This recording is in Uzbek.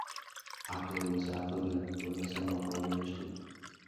• Aqling bo‘lsa aql bilan, bo‘lmasa maqol bilan ish tut.